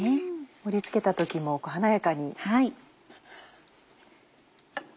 盛り付けた時も華やかに。